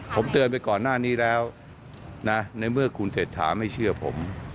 ผมเตือนไปก่อนหน้านี้แล้วนะในเมื่อคุณเศรษฐาไม่เชื่อผม